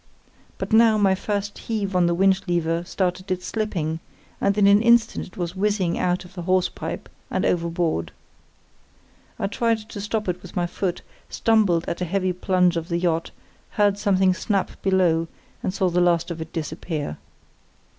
But now my first heave on the winch lever started it slipping, and in an instant it was whizzing out of the hawse pipe and overboard. I tried to stop it with my foot, stumbled at a heavy plunge of the yacht, heard something snap below, and saw the last of it disappear.